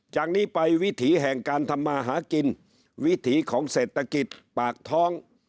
จากนี้ไปวิถีแห่งการทำมาหากินวิถีของเศรษฐกิจปากท้อง